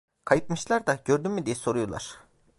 Kayıpmışlar da, gördün mü diye soruyorlar!